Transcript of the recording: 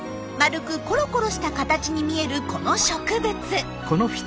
丸くコロコロした形に見えるこの植物。